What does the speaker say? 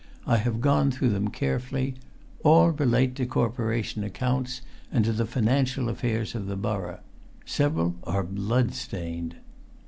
I have gone through them carefully. All relate to Corporation accounts and to the financial affairs of the borough. Several are blood stained."